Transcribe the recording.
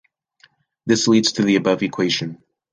This leads to the above equation.